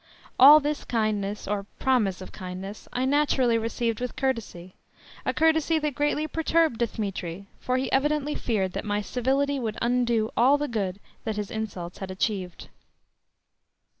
All this kindness, or promise of kindness, I naturally received with courtesy—a courtesy that greatly perturbed Dthemetri, for he evidently feared that my civility would undo all the good that his insults had achieved.